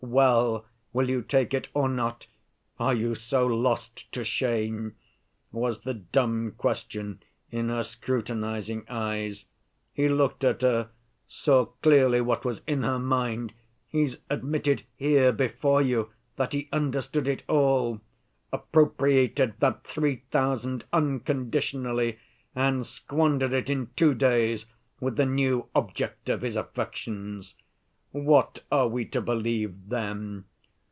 'Well, will you take it or not, are you so lost to shame?' was the dumb question in her scrutinizing eyes. He looked at her, saw clearly what was in her mind (he's admitted here before you that he understood it all), appropriated that three thousand unconditionally, and squandered it in two days with the new object of his affections. "What are we to believe then?